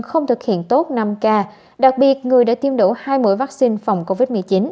không thực hiện tốt năm k đặc biệt người đã tiêm đủ hai mũi vaccine phòng covid một mươi chín